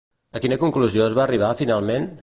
A quina conclusió es va arribar finalment?